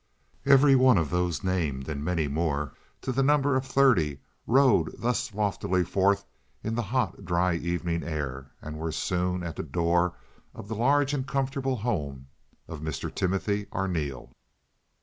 Every one of those named and many more—to the number of thirty—rode thus loftily forth in the hot, dry evening air and were soon at the door of the large and comfortable home of Mr. Timothy Arneel.